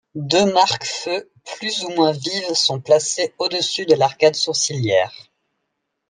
Deux marques feu plus ou moins vives sont placées au-dessus de l’arcade sourcilière.